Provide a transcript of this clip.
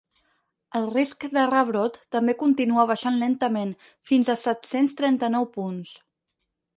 El risc de rebrot també continua baixant lentament, fins a set-cents trenta-nou punts.